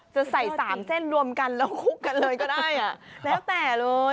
จะใส่๓เส้นรวมกันแล้วคุกกันเลยก็ได้แล้วแต่เลย